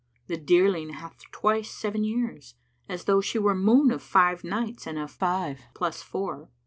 The dearling hath twice seven years, as though * She were moon of five nights and of five plus four."